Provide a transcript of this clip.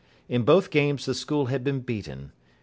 In both games the school had been beaten.